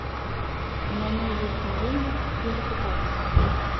У мяне ёсць сумленне і рэпутацыя.